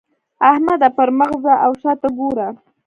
احمده! پر مخ ځه او شا ته ګوره.